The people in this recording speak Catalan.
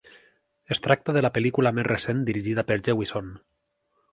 Es tracta de la pel·lícula més recent dirigida per Jewison.